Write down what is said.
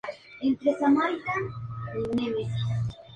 Es una raza originaria de la Cordillera de los Vosgos en Francia.